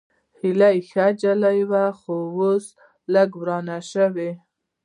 هېلۍ ښه نجلۍ وه، خو اوس لږ ورانه شوې